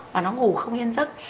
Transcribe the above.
và nó ngủ không yên giấc